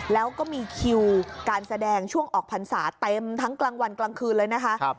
แล้วก็มีคิวการแสดงช่วงออกพรรษาเต็มทั้งกลางวันกลางคืนเลยนะคะ